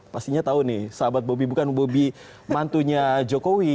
pastinya tahu nih sahabat bobi bukan bobi mantunya jokowi